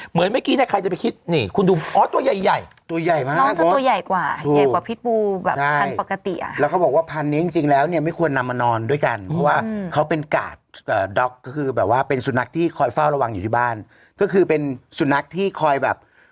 เหมือนเมื่อกี้ได้ใครจะไปคิด